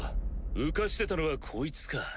浮かしてたのはこいつか。